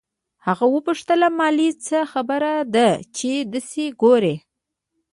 هغې وپوښتل مالې څه خبره ده چې دسې ګورې.